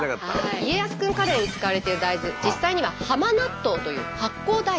家康くんカレーに使われている大豆実際には浜納豆という発酵大豆。